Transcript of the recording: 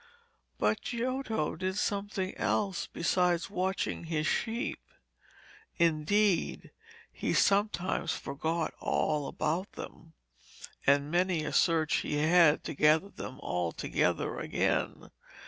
But Giotto did something else besides watching his sheep. Indeed, he sometimes forgot all about them, and many a search he had to gather them all together again.